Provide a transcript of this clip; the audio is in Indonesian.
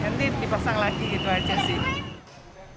nanti dipasang lagi gitu aja sih